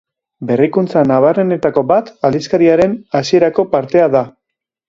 Berrikuntza nabarmenenetako bat aldizkariaren hasierako partea da.